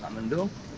kalau gak mendung